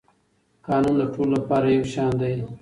قانون د ټولو لپاره یو شان دی.